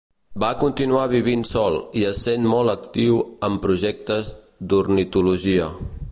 Va continuar vivint sol i essent molt actiu amb projectes d'ornitologia.